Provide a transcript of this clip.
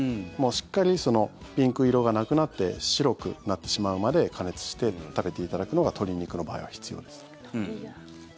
しっかりピンク色がなくなって白くなってしまうまで加熱して食べていただくのが鶏肉の場合は必要です。